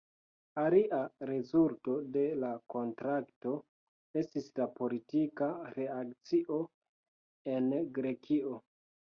Alia rezulto de la kontrakto estis la politika reakcio en Grekio.